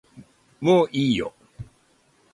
もういいよ